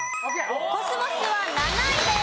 コスモスは７位です。